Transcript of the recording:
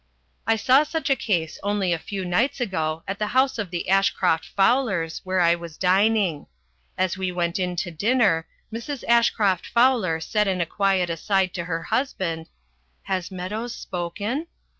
I saw such a case only a few nights ago at the house of the Ashcroft Fowlers, where I was dining. As we went in to dinner, Mrs. Ashcroft Fowler said in a quiet aside to her husband, "Has Meadows spoken?"